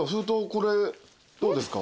これどうですか？